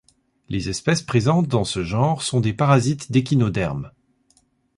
Les espèces présentes dans ce genre sont des parasites d'échinodermes.